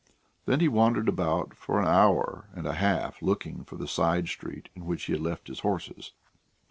Then he wandered about for an hour and a half, looking for the side street in which he had left his horses.